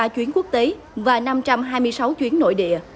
hai mươi ba chuyến quốc tế và năm trăm hai mươi sáu chuyến nội địa